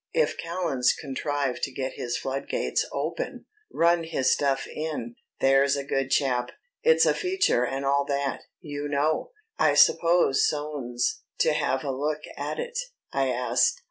If Callan's contrived to get his flood gates open, run his stuff in, there's a good chap. It's a feature and all that, you know." "I suppose Soane's to have a look at it," I asked.